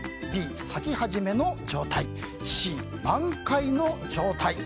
Ｂ、咲き始めの状態Ｃ、満開の状態。